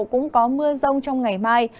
cũng có mưa rông trong ngày mai